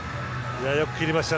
よく切りました。